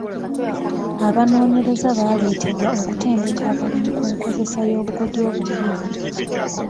Abanoonyereza baaleetebwa okutendeka abalimi ku nkozesa y'obukodyo obupya.